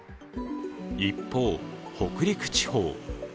一方、北陸地方。